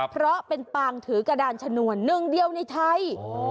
เพราะเป็นปางถือกระดานชนวนหนึ่งเดียวในไทย